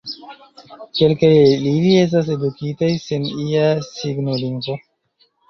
Kelkaj el ili estas edukitaj sen ia signolingvo.